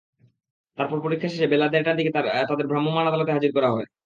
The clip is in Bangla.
তারপর পরীক্ষা শেষে বেলা দেড়টার দিকে তাদের ভ্রাম্যমাণ আদালতে হাজির করা হয়।